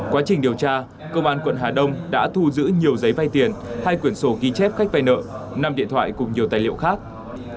quá trình điều tra công an quận hà đông đã thu giữ nhiều giấy vay tiền hai quyển sổ ghi chép khách vay nợ năm điện thoại cùng nhiều tài liệu khác